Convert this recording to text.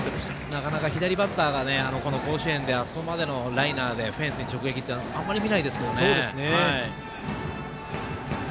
なかなか、左バッターがあそこまでのライナーでフェンスに直撃ってあんまり見ないですけどね。